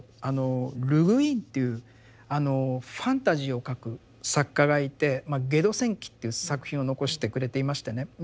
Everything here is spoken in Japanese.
あのル＝グウィンっていうファンタジーを書く作家がいて「ゲド戦記」っていう作品を残してくれていましてね。